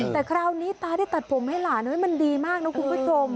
แต่คราวนี้ตาได้ตัดผมให้หลานมันดีมากนะคุณผู้ชม